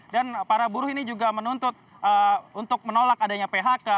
dan para buruh ini juga menuntut untuk menolak adanya phk